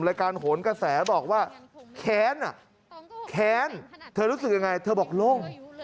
รายการโหนกระแสบอกว่าแค้นอ่ะแค้นเธอรู้สึกยังไงเธอบอกโล่ง